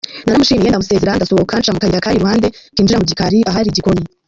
Naramushimiye ndamusezera, ndasohoka nca mu kayira kari iruhande kinjira mu gikari ahari igikoni.